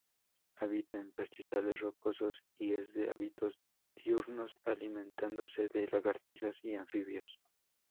Habita en pastizales rocosos y es de hábitos diurnos, alimentándose de lagartijas y anfibios.